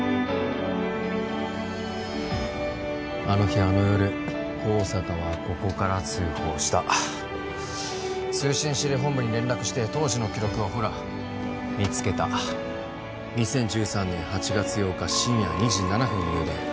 あの日あの夜香坂はここから通報した通信指令本部に連絡して当時の記録をほら見つけた２０１３年８月８日深夜２時７分入電